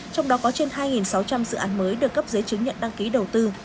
trong đó có trên hai sáu trăm linh dự án mới được cấp giấy chứng nhận đăng ký đầu tư